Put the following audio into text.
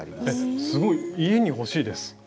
すごい家に欲しいです。